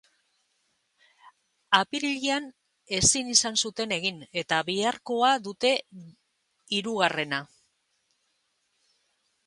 Apirilean ezin izan zuten egin, eta biharkoa dute hirugarrena.